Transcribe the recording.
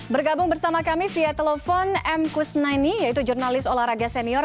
bergabung bersama kami via telepon m kusnaini yaitu jurnalis olahraga senior